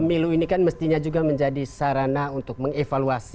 pemilu ini kan mestinya juga menjadi sarana untuk mengevaluasi